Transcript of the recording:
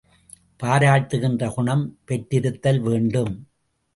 பாராட்டுகின்ற குணம் பெற்றிருத்தல் வேண்டும்.